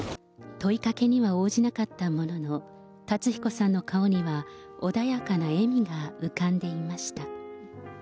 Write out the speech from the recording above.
問いかけには応じなかったものの、辰彦さんの顔には穏やかな笑みが浮かんでいました。